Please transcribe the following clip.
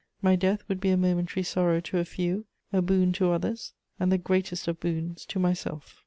My death would be a momentary sorrow to a few, a boon to others, and the greatest of boons to myself.